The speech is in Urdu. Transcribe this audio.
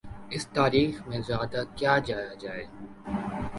اس تاریخ میں زیادہ کیا جایا جائے۔